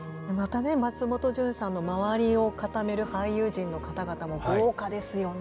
松本潤さんの周りを固める俳優陣の方々も豪華ですよね。